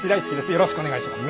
よろしくお願いします。